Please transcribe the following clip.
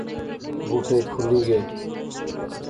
بُوٹے پُھلی غئے